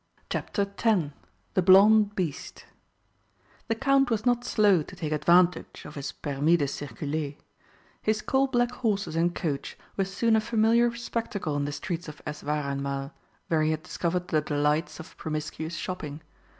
CHAPTER X THE BLONDE BEAST The Count was not slow to take advantage of his permis de circuler; his coal black horses and coach were soon a familiar spectacle in the streets of Eswareinmal, where he had discovered the delights of promiscuous shopping.